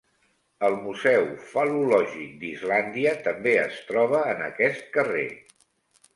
El Museu fal·lològic d'Islàndia també es troba en aquest carrer.